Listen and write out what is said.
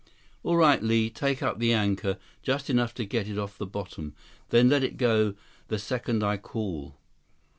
"All right, Li. Take up the anchor. Just enough to get it off the bottom. Then let go the second I call."